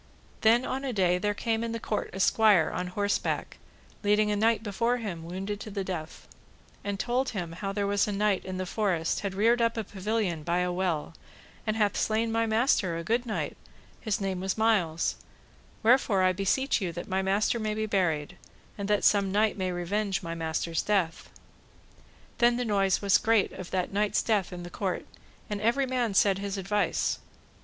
Then on a day there came in the court a squire on horseback, leading a knight before him wounded to the death, and told him how there was a knight in the forest had reared up a pavilion by a well, and hath slain my master, a good knight, his name was Miles; wherefore I beseech you that my master may be buried, and that some knight may revenge my master's death. Then the noise was great of that knight's death in the court, and every man said his advice.